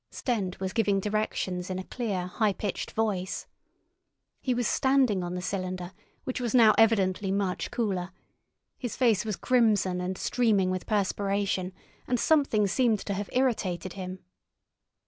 Stent was giving directions in a clear, high pitched voice. He was standing on the cylinder, which was now evidently much cooler; his face was crimson and streaming with perspiration, and something seemed to have irritated him.